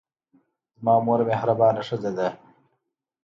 زما مور مهربانه ښځه ده.